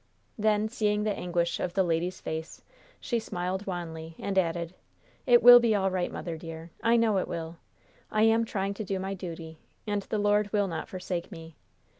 Then, seeing the anguish of the lady's face, she smiled wanly and added: "It will all be right, mother, dear. I know it will. I am trying to do my duty, and the Lord will not forsake me.